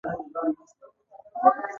پخوا به یې ځوانان نورو هېوادونو ته تلل.